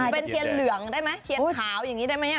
เป็นเทียนเหลืองได้ไหมเทียนขาวอย่างนี้ได้ไหม